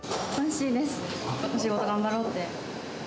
仕事頑張ろうって。